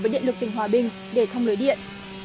với điện lực tỉnh hòa bình để thông lưới điện